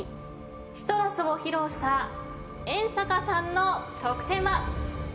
『ＣＩＴＲＵＳ』を披露した遠坂さんの得点は。